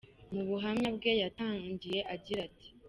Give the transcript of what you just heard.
Mu buhamya bwe yatangiye agira ati: .